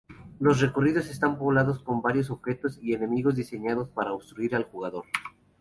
Los recorridos están poblados con varios objetos y enemigos diseñados para obstruir al jugador.